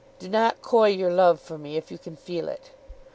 Do not coy your love for me if you can feel it.